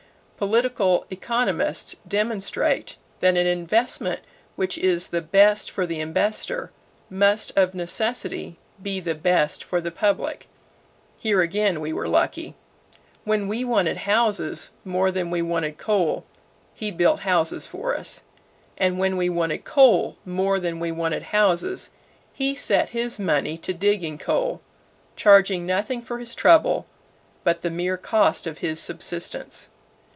Political economists demonstrate that an investment which is the best for the investor must of necessity be the best for the public. Here, again, we were lucky. When we wanted houses more than we wanted coal, he built houses for us; and when we wanted coal more than we wanted houses, he set his money to digging coal; charging nothing for his trouble but the mere cost of his subsistence.